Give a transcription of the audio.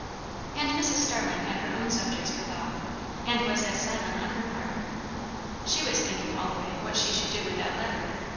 And Mrs. Starling had her own subjects for thought, and was as silent on her part. She was thinking all the way what she should do with that letter.